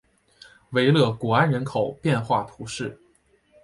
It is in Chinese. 维勒古安人口变化图示